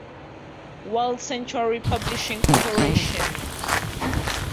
World Century Publishing Corporation.